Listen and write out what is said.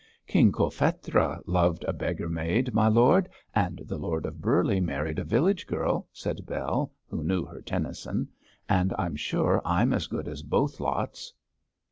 'King Cophetua loved a beggar maid, my lord; and the Lord of Burleigh married a village girl,' said Bell, who knew her Tennyson, 'and I'm sure I'm as good as both lots.'